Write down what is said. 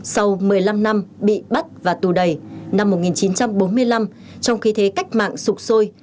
sau một mươi năm năm bị bắt và tù đầy năm một nghìn chín trăm bốn mươi năm trong khi thế cách mạng sụp sôi